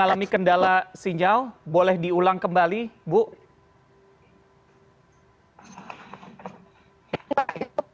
lalu pak ibu seharusnya waktu dikatakan anda diberikan siklopati